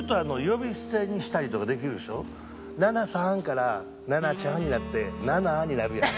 「奈々さん」から「奈々ちゃん」になって「奈々」になるやん。